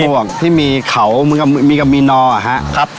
เป็นหมวกที่มีเขามีกะมีนอฮะครับ